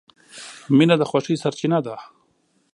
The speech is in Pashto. • مینه د خوښۍ سرچینه ده.